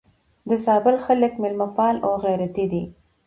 د زابل خلک مېلمه پال او غيرتي دي.